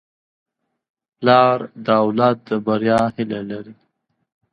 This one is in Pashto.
پلار د اولاد د بریا هیله لري.